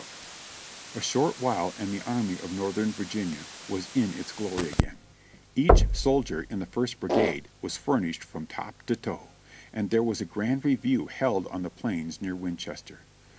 312 JOHNNY REB and BILL,Y YANK A short while and the Army of Northern Virginia was in its glory again; each soldier in the First Brigade was furnished from top to toe; and there was a grand review held on the plains near Winchester.